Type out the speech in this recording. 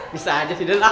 bisa aja sih den ah